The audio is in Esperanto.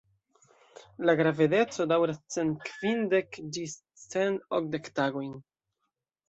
La gravedeco daŭras cent kvindek ĝis cent okdek tagojn.